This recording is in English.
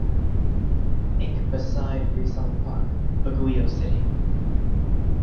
Inc beside Rizal Park, Baguio City.